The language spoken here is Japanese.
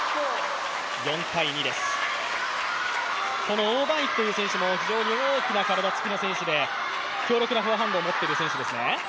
この王曼イクという選手も、非常に大きな体つきの選手で強力なフォアハンドを持っている選手ですね。